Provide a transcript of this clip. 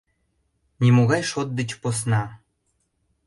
Нимогай шот деч посна.